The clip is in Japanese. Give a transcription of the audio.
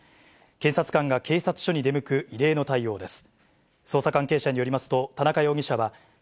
検察官が警察署に出向く異例の対応です。